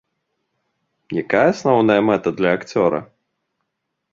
Якая асноўная мэта для акцёра?